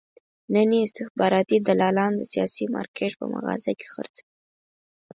نن یې استخباراتي دلالان د سیاسي مارکېټ په مغازه کې خرڅوي.